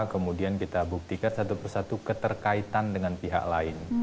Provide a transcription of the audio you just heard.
kemudian kita buktikan satu persatu keterkaitan dengan pihak lain